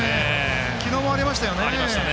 昨日もありましたよね。